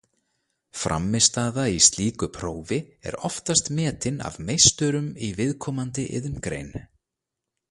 Frammistaða í slíku prófi er oftast metin af meisturum í viðkomandi iðngrein.